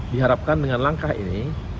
diharapkan dengan langkah ini